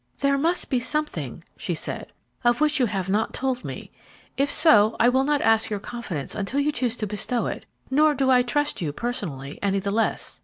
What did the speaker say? "There must be something," she said, "of which you have not told me; if so, I will not ask your confidence until you choose to bestow it, nor do I trust you, personally, any the less.